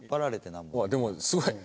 ああでもすごい。